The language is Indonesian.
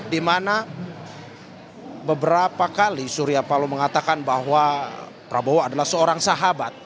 dimana beberapa kali surya palo mengatakan bahwa prabowo adalah seorang sahabat